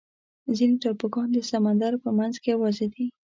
ځینې ټاپوګان د سمندر په منځ کې یوازې دي.